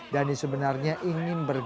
dhani sebenarnya ingin berpikir